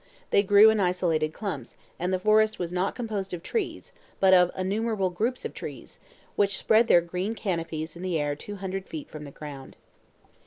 They grew in isolated clumps, and the forest was not composed of trees, but of innumerable groups of trees, which spread their green canopies in the air two hundred feet from the ground.